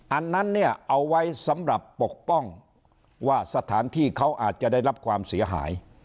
อันนั้นเนี่ยเอาไว้สำหรับปกป้องว่าสถานที่เขาอาจจะได้รับความเสียหาย